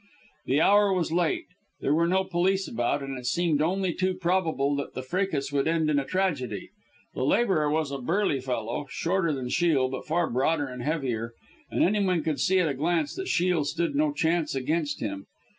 The hour was late, there were no police about, and it seemed only too probable that the fracas would end in a tragedy. The labourer was a burly fellow, shorter than Shiel, but far broader and heavier, and any one could see at a glance that Shiel stood no chance against him.